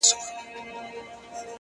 گرانه په دغه سي حشر كي جــادو!!